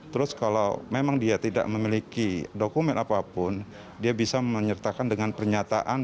terus kalau memang dia tidak memiliki dokumen apapun dia bisa menyertakan dengan pernyataan